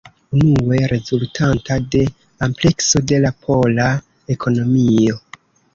Unue: rezultanta de amplekso de la pola ekonomio.